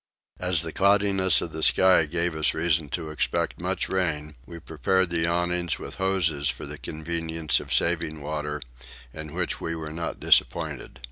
As the cloudiness of the sky gave us reason to expect much rain we prepared the awnings with hoses for the convenience of saving water, in which we were not disappointed.